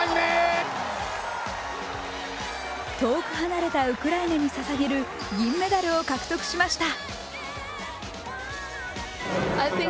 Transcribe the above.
遠く離れたウクライナにささげる銀メダルを獲得しました。